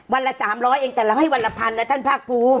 วันละสามร้อยเองแต่เราให้วันละพันนะท่านพระครู